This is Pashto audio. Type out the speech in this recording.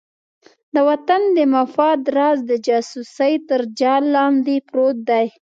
د وطن د مفاد راز د جاسوسۍ تر جال لاندې پروت دی.